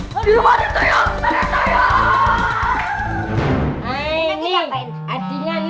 dirumah ini ada tuyul